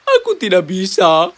aku tidak bisa